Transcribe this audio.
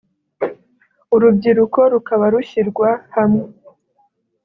urubyiruko rukaba rushyirwa hamwe